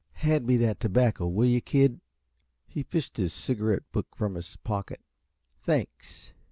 "Hand me the tobacco, will you, kid?" He fished his cigarette book from his pocket. "Thanks!"